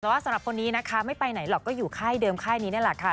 แต่ว่าสำหรับคนนี้นะคะไม่ไปไหนหรอกก็อยู่ค่ายเดิมค่ายนี้นี่แหละค่ะ